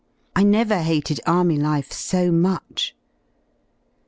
I never hated Army life so much.